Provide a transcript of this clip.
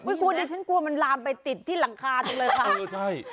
วียกูเดี๋ยวชั้นกลัวมันลามไปติดที่หลังคามจริงเลย